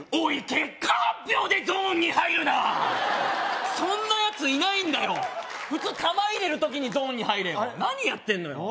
結果発表でゾーンに入るなそんなやついないんだよ普通玉入れる時にゾーンに入れよ何やってんのよ